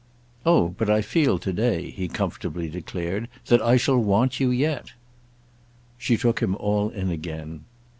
"Oh but I feel to day," he comfortably declared, "that I shall want you yet." She took him all in again.